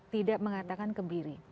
tidak mengatakan kebiri